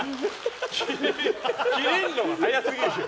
キレるのが早すぎるよ。